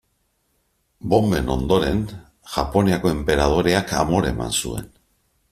Bonben ondoren, Japoniako enperadoreak amore eman zuen.